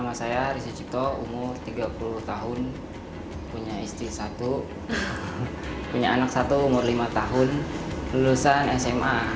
sama saya risiko umur tiga puluh tahun punya istri satu punya anak satu umur lima tahun lulusan sma